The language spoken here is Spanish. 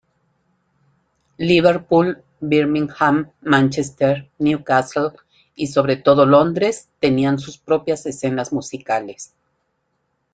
Liverpool, Birmingham, Manchester, Newcastle y sobre todo Londres tenían sus propias escenas musicales.